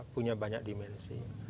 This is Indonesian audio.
punya banyak dimensi